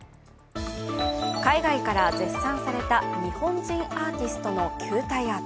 海外から絶賛された日本人アーティストの球体アート。